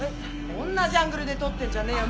おんなじアングルで撮ってんじゃねえよ